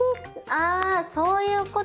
あそういうことか。